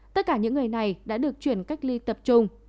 tất cả những người này đã được chuyển cách ly tập trung